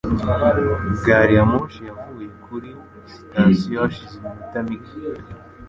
Gari ya moshi yavuye kuri sitasiyo hashize iminota mike.